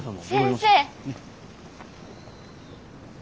先生。